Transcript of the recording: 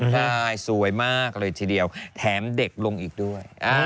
ใช่สวยมากเลยทีเดียวแถมเด็กลงอีกด้วย